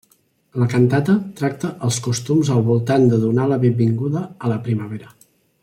La cantata tracta els costums al voltant de donar la benvinguda a la primavera.